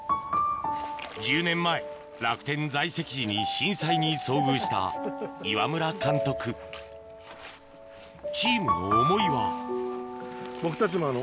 １０年前楽天在籍時に震災に遭遇した岩村監督チームの思いは僕たちも。